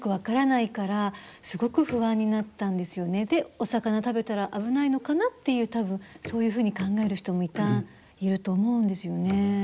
お魚食べたら危ないのかなっていうそういうふうに考える人もいると思うんですよね。